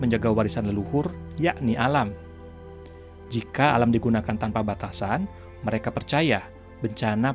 menjaga warisan leluhur yakni alam jika alam digunakan tanpa batasan mereka percaya bencana